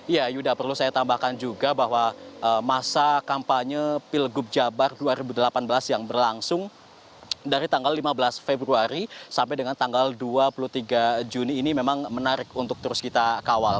ya yuda perlu saya tambahkan juga bahwa masa kampanye pilgub jabar dua ribu delapan belas yang berlangsung dari tanggal lima belas februari sampai dengan tanggal dua puluh tiga juni ini memang menarik untuk terus kita kawal